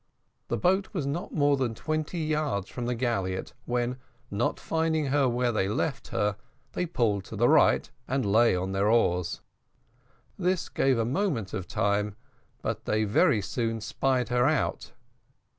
The boat was not more than twenty yards from the galliot, when, not finding her where they left her, they pulled to the right and lay on their oars. This gave a moment of time, but they very soon spied her out.